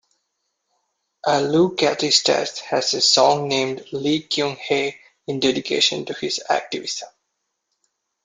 Ahleuchatistas has a song named "Lee Kyung Hae" in dedication to his activism.